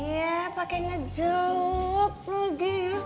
iya pake ngejauh lagi